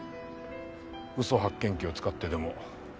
嘘発見器を使ってでも。